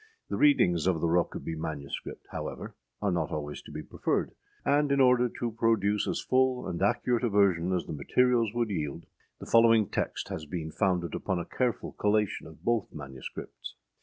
â The readings of the Rokeby MS., however, are not always to be preferred; and in order to produce as full and accurate a version as the materials would yield, the following text has been founded upon a careful collation of both MSS.